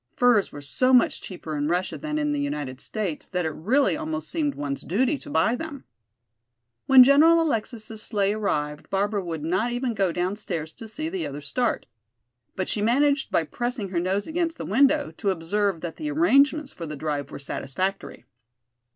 Furs were so much cheaper in Russia than in the United States that it really almost seemed one's duty to buy them. When General Alexis' sleigh arrived, Barbara would not even go downstairs to see the others start. But she managed by pressing her nose against the window to observe that the arrangements for the drive were satisfactory.